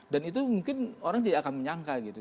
dan itu mungkin orang tidak akan menyangka gitu